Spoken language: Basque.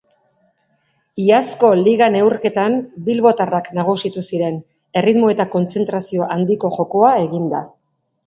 Iazko liga neurketan bilbotarrak nagusitu ziren, erritmo eta kontzentrazio handiko jokoa eginda.